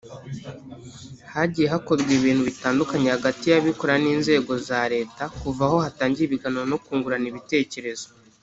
Hagiye hakorwa ibintu bitandukanye hagati y’abikorera n’inzego za Leta kuva aho hatangiriye ibiganiro no kungurana ibitekerezo